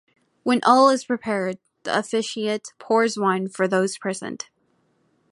When all is prepared, the officiant pours wine for those present.